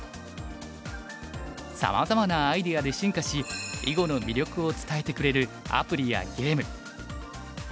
さまざまなアイデアで進化し囲碁の魅力を伝えてくれるアプリやゲーム。